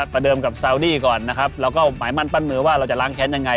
ประเดิมกับซาวดี้ก่อนนะครับเราก็หมายมั่นปั้นมือว่าเราจะล้างแค้นยังไง